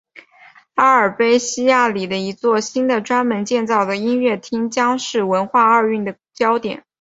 阿尔卑西亚里的一座新的专门建造的音乐厅将是文化奥运的焦点。